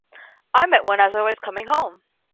I met one as I was coming home.